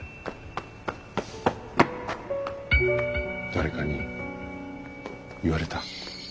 誰かに言われた？